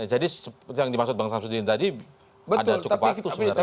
jadi yang dimaksud bang samuddin tadi ada cukup waktu sebenarnya